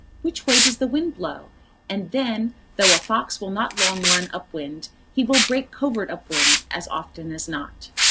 Which way does the wind blow? And then, though a fox will not long run up wind, he will break covert up wind, as often as not.